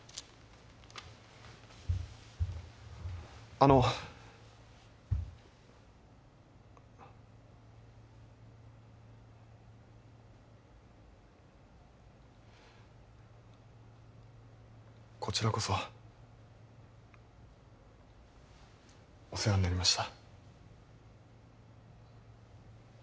あのこちらこそお世話になりました